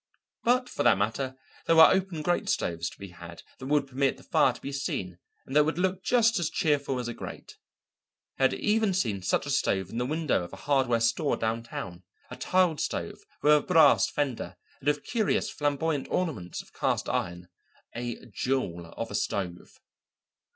But for that matter there were open grate stoves to be had that would permit the fire to be seen and that would look just as cheerful as a grate. He had even seen such a stove in the window of a hardware store downtown, a tiled stove with a brass fender and with curious flamboyant ornaments of cast iron a jewel of a stove.